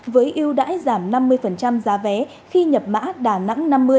với yêu đãi giảm năm mươi giá vé khi nhập mã đà nẵng năm mươi